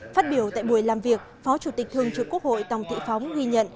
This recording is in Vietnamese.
phát biểu tại buổi làm việc phó chủ tịch thường trực quốc hội tòng thị phóng ghi nhận